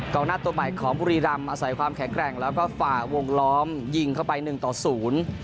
หน้าตัวใหม่ของบุรีรำอาศัยความแข็งแกร่งแล้วก็ฝ่าวงล้อมยิงเข้าไปหนึ่งต่อศูนย์